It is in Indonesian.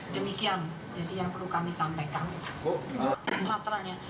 demikian jadi yang perlu kami sampaikan